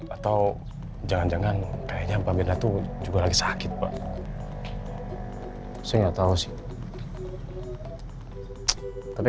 atau jangan jangan kayaknya mbak mira tuh juga lagi sakit pak saya nggak tahu sih tapi